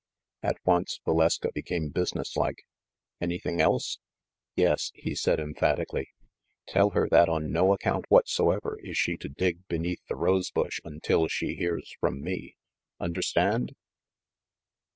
At once Valeska became businesslike. "Anything else?" "Yes," he said emphatically. "Tell her that on no account whatsoever is she to dig beneath the rose bush until she hears from me ! Understand